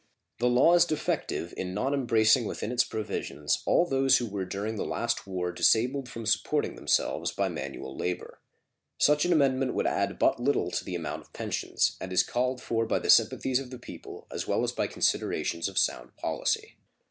The law is defective in not embracing within its provisions all those who were during the last war disabled from supporting themselves by manual labor. Such an amendment would add but little to the amount of pensions, and is called for by the sympathies of the people as well as by considerations of sound policy.